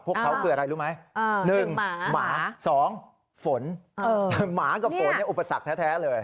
พวกเขาคืออะไรรู้ไหม๑หมา๒ฝนหมากับฝนอุปสรรคแท้เลย